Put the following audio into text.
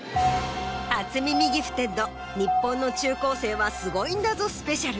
「初耳ギフテッド日本の中高生はスゴイんだぞスペシャル」。